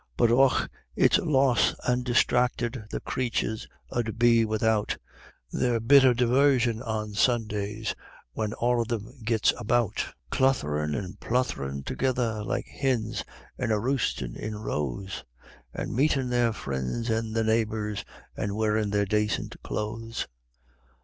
But, och, it's lost an' disthracted the crathurs 'ud be without Their bit of divarsion on Sundays whin all o' thim gits about, Cluth'rin' an' pluth'rin' together like hins, an' a roostin' in rows, An' meetin' their frins an' their neighbors, and wearin' their dacint clothes.